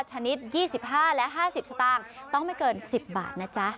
ชนิด๒๕และ๕๐สตางค์ต้องไม่เกิน๑๐บาทนะจ๊ะ